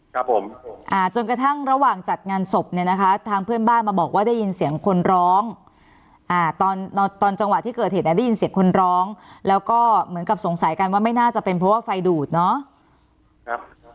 ครับผมอ่าจนกระทั่งระหว่างจัดงานศพเนี่ยนะคะทางเพื่อนบ้านมาบอกว่าได้ยินเสียงคนร้องอ่าตอนตอนจังหวะที่เกิดเหตุเนี่ยได้ยินเสียงคนร้องแล้วก็เหมือนกับสงสัยกันว่าไม่น่าจะเป็นเพราะว่าไฟดูดเนาะ